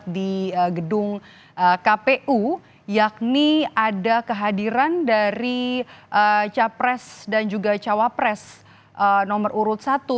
di gedung kpu yakni ada kehadiran dari capres dan juga cawapres nomor urut satu